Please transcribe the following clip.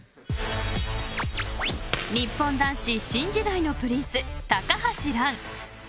［日本男子新時代のプリンス］